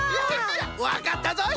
わかったぞい！